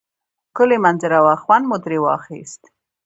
ښکلی منظره وه خوند مو تری واخیست